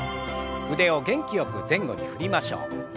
腕を元気よく前後に振りましょう。